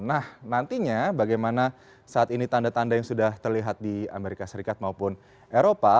nah nantinya bagaimana saat ini tanda tanda yang sudah terlihat di amerika serikat maupun eropa